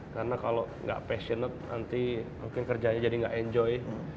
karena kalau nggak passionate nanti mungkin kerjanya jadi nggak enjoy